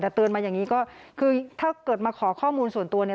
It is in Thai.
แต่เตือนมาอย่างนี้ก็คือถ้าเกิดมาขอข้อมูลส่วนตัวเนี่ย